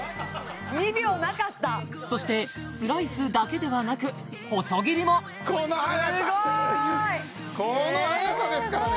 ２秒なかったそしてスライスだけではなく細切りもこの速さすごいこの速さですからね